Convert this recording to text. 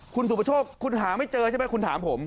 คุณสุประโชคคุณหาไม่เจอใช่ไหมคุณถามผม